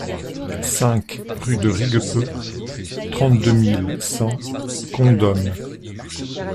cinq rue de Riguepeu, trente-deux mille cent Condom